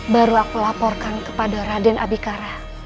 baru aku laporkan kepada raden abikara